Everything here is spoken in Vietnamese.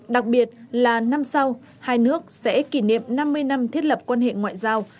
đặc biệt là năm sau hai nước sẽ kỷ niệm năm mươi năm thiết lập quan hệ ngoại giao